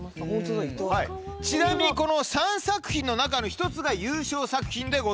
ちなみにこの３作品の中の１つが優勝作品でございます。